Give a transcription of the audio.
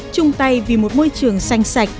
chung tay vì một môi trường xanh sạch